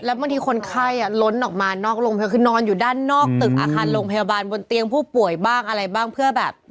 บางทีคนไข้ล้นออกมานอกโรงพยาบาลคือนอนอยู่ด้านนอกตึกอาคารโรงพยาบาลบนเตียงผู้ป่วยบ้างอะไรบ้างเพื่อแบบ